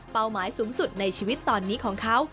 หมายสูงสุดในชีวิตตอนนี้ของเขา